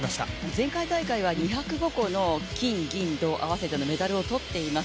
前回大会は２０５個の金銀銅合わせてのメダルを取っています。